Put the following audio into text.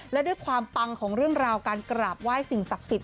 และด้วยความปังของเรื่องราวการกราบไหว้สิ่งศักดิ์สิทธิ